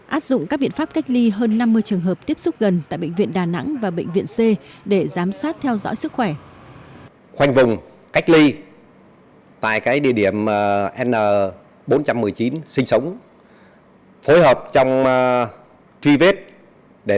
áp dụng các biện pháp cách ly hơn năm mươi trường hợp tiếp xúc gần tại bệnh viện đà nẵng và bệnh viện c để giám sát theo dõi sức khỏe